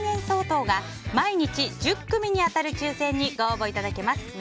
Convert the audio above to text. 相当が毎日１０組に当たる抽選にご応募いただけます。